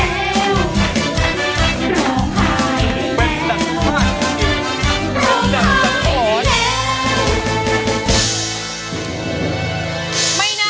ร้องได้ร้องได้